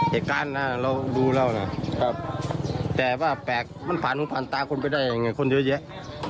เหตุการณ์นะเราดูแล้วนะแต่ว่าแปลกมันผ่านตาคนไปได้ยังไงคนเยอะแยะ